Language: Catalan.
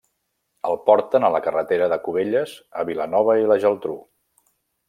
El porten a la carretera de Cubelles a Vilanova i la Geltrú.